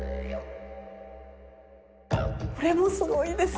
これもすごいですね！